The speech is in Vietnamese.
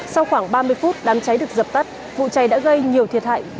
sau khoảng ba mươi phút đám cháy được dập tắt vụ cháy đã gây nhiều thiệt hại